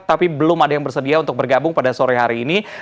tapi belum ada yang bersedia untuk bergabung pada sore hari ini